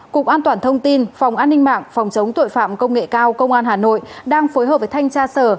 cục an toàn thông tin phòng an ninh mạng phòng chống tội phạm công nghệ cao công an hà nội đang phối hợp với thanh tra sở